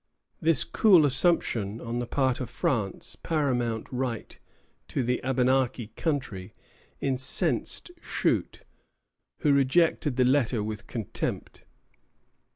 This cool assumption on the part of France of paramount right to the Abenaki country incensed Shute, who rejected the letter with contempt.